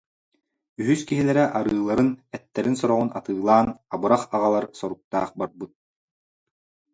Үһүс киһилэрэ арыыларын, эттэрин сороҕун атыылаан «абырах» аҕалар соруктаах барбыт